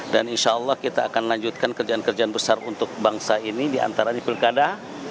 dan insya allah kita akan lanjutkan kerjaan kerjaan besar untuk bangsa ini di antara di pilkada